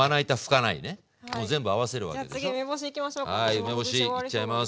はい梅干しいっちゃいます。